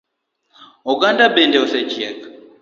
Oganda bende osechiek?